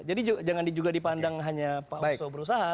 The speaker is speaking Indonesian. jadi jangan dipandang hanya pak oso berusaha